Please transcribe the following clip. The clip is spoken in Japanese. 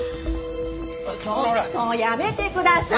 ちょっとやめてください！